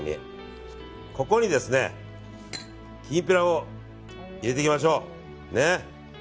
ここにきんぴらを入れていきましょう。